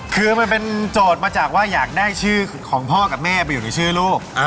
คือมันเป็นโจทย์มาจากว่าอยากได้ชื่อของพ่อกับแม่ไปอยู่ในชื่อลูก